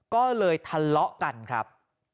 ก็เลยทะเลาะกันครับ